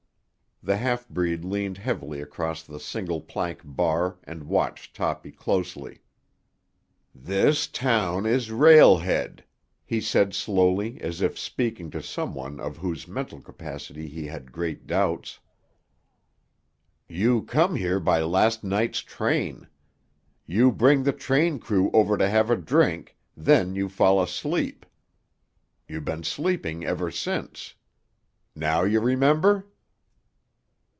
The half breed leaned heavily across the single plank bar and watched Toppy closely. "This town is Rail Head," he said slowly, as if speaking to some one of whose mental capacity he had great doubts. "You come here by last night's train. You bring the train crew over to have a drink; then you fall asleep. You been sleeping ever since. Now you remember?"